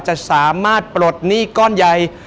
จะสามารถปลดหนี้ก้อนใหญ่